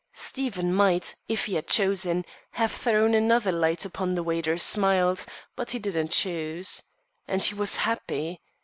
Stephen might, if he had chosen, have thrown another light upon the waiter's smiles; but he didn't choose. And he was happy.